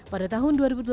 pada tahun dua ribu delapan